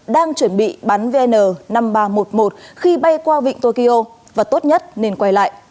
đang chuẩn bị bắn vn năm nghìn ba trăm một mươi một khi bay qua vịnh tokyo và tốt nhất nên quay lại